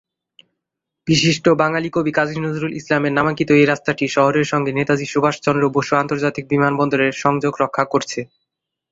বিশিষ্ট বাঙালি কবি কাজী নজরুল ইসলামের নামাঙ্কিত এই রাস্তাটি শহরের সঙ্গে নেতাজি সুভাষচন্দ্র বসু আন্তর্জাতিক বিমানবন্দরের সংযোগ রক্ষা করছে।